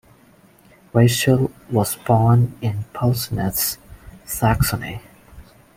Rietschel was born in Pulsnitz, Saxony.